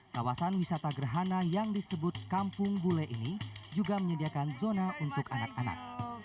kawasan wisata gerhana yang disebut kampung bule ini juga menyediakan zona untuk anak anak